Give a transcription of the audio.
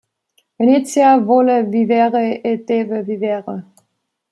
Venezia vuole vivere e deve vivere!